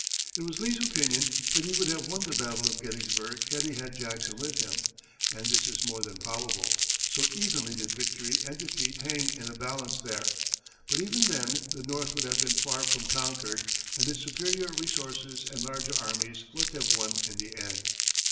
It was Lee's opinion that he would have won the battle of Gettysburg had he had Jackson with him, and this is more than probable, so evenly did victory and defeat hang in the balance there. But, even then, the North would have been far from conquered, and its superior resources and larger armies must have won in the end.